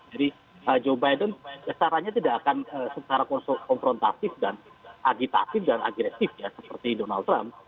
jadi joe biden caranya tidak akan secara konfrontatif dan agitatif dan agresif seperti donald trump